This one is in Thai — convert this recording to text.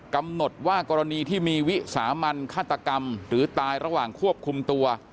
กำหนดว่ากรณีที่มีวิสามันฆาตกรรมหรือตายระหว่างควบคุมตัว